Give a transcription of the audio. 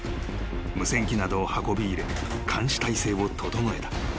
［無線機などを運び入れ監視態勢を整えた］